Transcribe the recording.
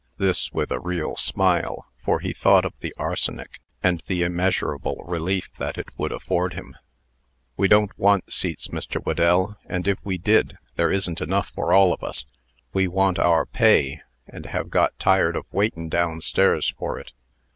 This with a real smile, for he thought of the arsenic, and the immeasurable relief that it would afford him. "We don't want seats, Mr. Whedell; and, if we did, there isn't enough for all of us. We want our pay, and have got tired of waitin' down stairs for it.